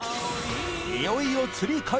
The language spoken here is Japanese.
いよいよ）